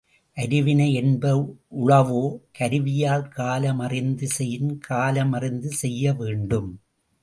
அருவினை யென்ப உளவோ கருவியால் கால மறிந்து செயின் காலமறிந்து செய்யவேண்டும்.